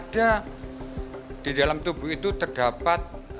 di dalam tubuh itu terdapat